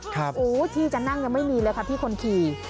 ครับที่จะนั่งยังไม่มีเลยครับที่คนขี่